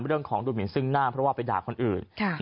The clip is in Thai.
เรื่องของดูดหมินซึ่งหน้าเพราะว่าไปด่าคนอื่น